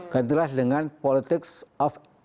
gantilah dengan politik of